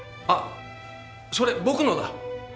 あっそれ僕のだ！